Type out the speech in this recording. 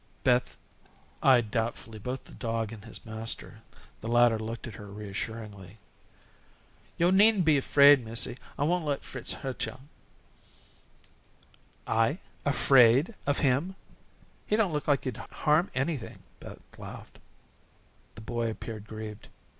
Beth eyed doubtfully both the dog and his master. The latter looked at her reassuringly. "Yo' needn't be 'fraid, missy. I won't let Fritz hurt yo'." "I afraid of him! He don't look as if he could harm anything," and Beth laughed. The boy appeared grieved.